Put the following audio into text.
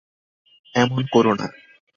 এমন করো না।